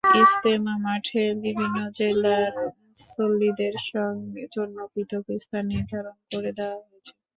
ইজতেমা মাঠে বিভিন্ন জেলার মুসল্লিদের জন্য পৃথক স্থান নির্ধারণ করে দেওয়া হয়েছে।